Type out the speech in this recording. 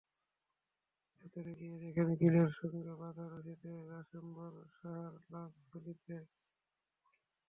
ভেতরে গিয়ে দেখেন গ্রিলের সঙ্গে বাঁধা রশিতে রামেশ্বর সাহার লাশ ঝুলছে।